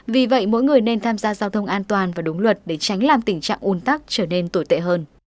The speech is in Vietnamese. vì vậy mỗi người nên tham gia giao thông an toàn và đúng luật để tránh làm tình trạng ồn tắc trở nên tồi tệ hơn